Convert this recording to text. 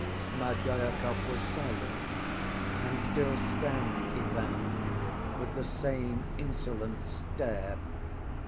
Smerdyakov was silent and still scanned Ivan with the same insolent stare.